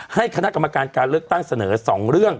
ให้คณะกรรมการการเลือกตั้งเสนอ๒เรื่อง